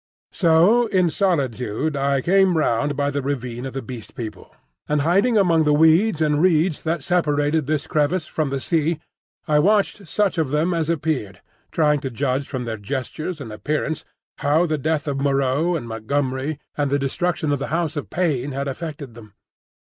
So in solitude I came round by the ravine of the Beast People, and hiding among the weeds and reeds that separated this crevice from the sea I watched such of them as appeared, trying to judge from their gestures and appearance how the death of Moreau and Montgomery and the destruction of the House of Pain had affected them.